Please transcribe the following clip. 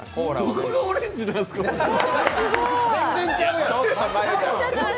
どこがオレンジのやつ？